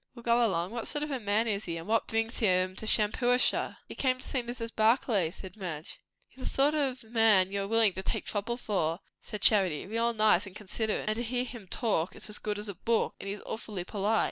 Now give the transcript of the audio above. "Well, go along. What sort of a man is he? and what brings him to Shampuashuh?" "He came to see Mrs. Barclay," said Madge. "He's a sort of man you are willin' to take trouble for," said Charity. "Real nice, and considerate; and to hear him talk, it is as good as a book; and he's awfully polite.